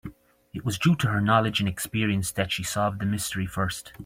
It was due to her knowledge and experience that she solved the mystery first.